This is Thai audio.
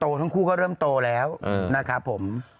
ทั้งคู่ก็เริ่มโตแล้วนะครับผม